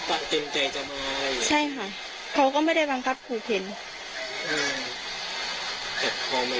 อาจจะเกิดผลกระทบที่มันเลวร้ายกว่าความบาดเจ็บป่ะค่ะ